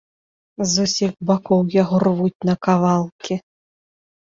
З усіх бакоў яго рвуць на кавалкі.